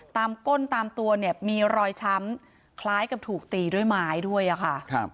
ก้นตามตัวเนี่ยมีรอยช้ำคล้ายกับถูกตีด้วยไม้ด้วยอะค่ะ